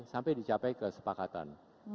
sampai dicapai kesepakatan